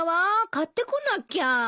買ってこなきゃ。